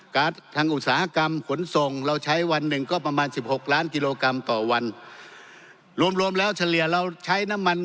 ทางอุตสาหกรรมขนส่งเราใช้วันหนึ่งก็ประมาณสิบหกล้านกิโลกรัมต่อวันรวมรวมแล้วเฉลี่ยเราใช้น้ำมัน